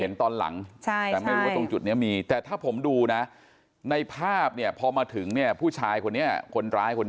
แต่ไม่รู้ว่าตรงจุดนี้มีแต่ผมดูน่ะในภาพพอมาถึงทั้งผู้ชายคนร้ายก็ถลกกางเกงแล้วก็อุจระ